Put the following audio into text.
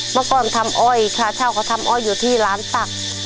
เมื่อก่อนทำอ้อยชาวค่ะทำอ้อยยังอยู่ที่ร้านสัตว์